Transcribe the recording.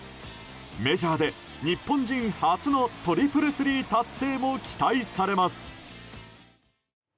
メジャーで日本人初のトリプルスリー達成も期待されます。